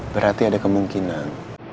berarti ada kemungkinan